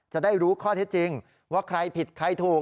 จะได้รู้ข้อเท็จจริงว่าใครผิดใครถูก